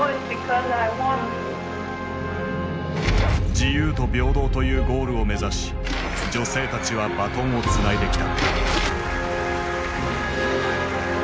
自由と平等というゴールを目指し女性たちはバトンをつないできた。